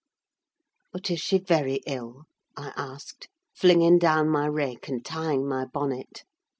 "But is she very ill?" I asked, flinging down my rake and tying my bonnet.